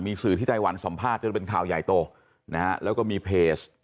สื่อที่ไต้หวันสัมภาษณ์จนเป็นข่าวใหญ่โตนะฮะแล้วก็มีเพจ